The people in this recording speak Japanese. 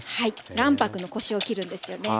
卵白のコシをきるんですよね。